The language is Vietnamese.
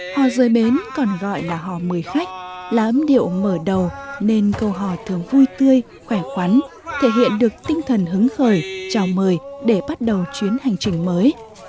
họ rời bến còn gọi là họ mười khách lá ấm điệu mở đầu nên câu hỏi thường vui tươi khỏe khoắn thể hiện được tinh thần hứng khởi chào mời để bắt đầu chuyến hành trình mới